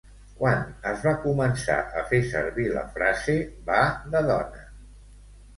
Quan es va començar a fer servir la frase va de dona?